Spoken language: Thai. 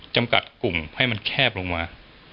จำกัดกลุ่มให้มันแคบลงมา